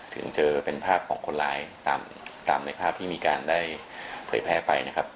ถึงเป็นภาพของคนร้ายตามภาพที่มีการได้เผยแพ้ไป